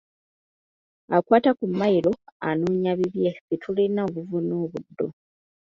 Akwata ku mayiro anoonya bibye, ffe tulina obuvo n'obuddo.